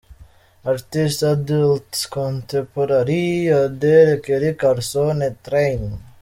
Artist, adult contemporary: Adele, Kelly Clarkson, Train.